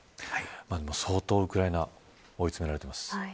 相当ウクライナは追い詰められています。